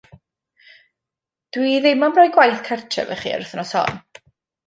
Dw i ddim am roi gwaith cartref i chi yr wythnos hon.